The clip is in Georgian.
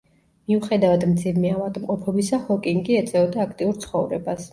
მიუხედავად მძიმე ავადმყოფობისა, ჰოკინგი ეწეოდა აქტიურ ცხოვრებას.